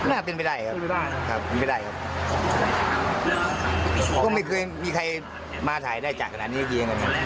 น่าเป็นไปได้ครับก็ไม่เคยมีใครมาถ่ายได้จากขนาดนี้เกี่ยวกันครับ